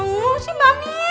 ngus sih mbak mir